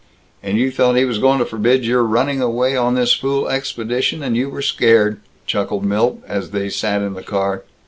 "And you thought he was going to forbid your running away on this fool expedition, and you were scared," chuckled Milt, as they sat in the car.